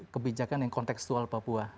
kebijakan yang konteksual papua